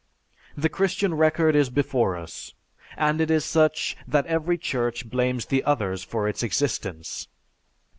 The Christian record is before us, and it is such that every Church blames the others for its existence.